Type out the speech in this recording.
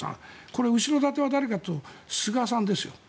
これ、後ろ盾は誰かというと菅さんですよ。